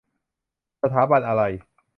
สถาบันอะไร ?